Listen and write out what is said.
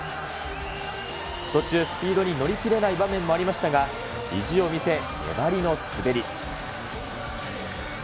途中、スピードに乗り切れない場面もありましたが、意地を見せ、粘りの滑り。